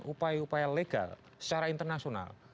upaya upaya legal secara internasional